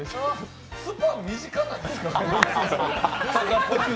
スパン、短くないですか。